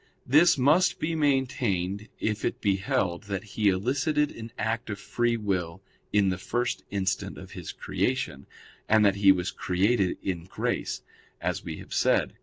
This must be maintained if it be held that he elicited an act of free will in the first instant of his creation, and that he was created in grace; as we have said (Q.